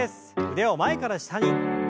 腕を前から下に。